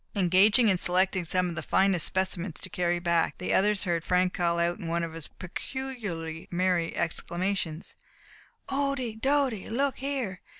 Engaged in selecting some of the finest specimens to carry back, the others heard Frank call out, in one of his peculiarly merry exclamations: "Ohdy! dody! Look here!